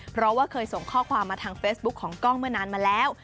เพราะว่าเคยส่งข้อความมาทางเฟซบุ๊คของกล้องเมื่อนานมาแล้ว